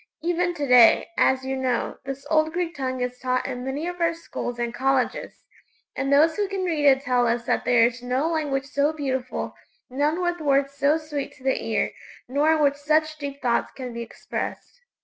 Even to day, as you know, this old Greek tongue is taught in many of our schools and colleges, and those who can read it tell us that there is no language so beautiful; none with words so sweet to the ear, nor in which such deep thoughts can be expressed.